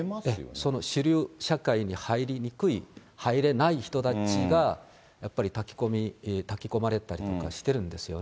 その主流社会に入りにくい、入れない人たちが、やっぱり抱き込まれたりとかしてるんですよね。